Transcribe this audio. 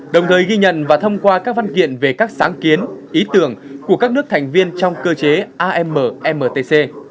đồng thời ghi nhận và thông qua các văn kiện về các sáng kiến ý tưởng của các nước thành viên trong cơ chế ammtc